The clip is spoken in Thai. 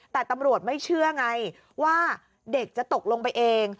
แต่ตำรวจไม่เชื่อไงว่าเด็กจะตกลงไปเอง